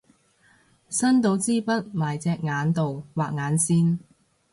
伸到支筆埋隻眼度畫眼線